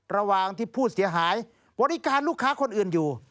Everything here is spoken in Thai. ระหว่างที่ผู้เสียหายบริการลูกค้าคนอื่นอยู่